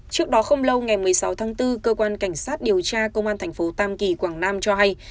trước đó không lâu ngày một mươi sáu tháng bốn cơ quan cảnh sát điều tra công an thành phố tam kỳ quảng nam cho hay